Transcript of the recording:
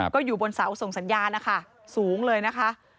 ก็อยู่บนเสาส่งสัญญาณนะคะสูงเลยนะคะ